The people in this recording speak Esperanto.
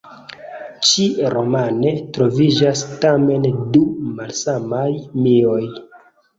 Ĉi-romane troviĝas tamen du malsamaj mioj.